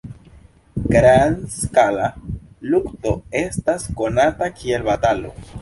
Grand-skala lukto estas konata kiel batalo.